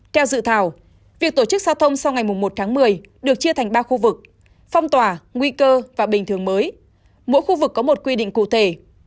theo dự thảo việc tổ chức giao thông sau ngày một tháng một mươi được chia thành ba khu vực phong tỏa nguy cơ và bình thường mới mỗi khu vực có một quy định cụ thể